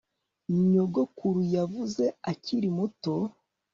Nyogokuru yavuze akiri muto